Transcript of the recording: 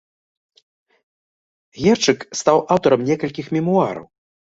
Герчык стаў аўтарам некалькіх мемуараў.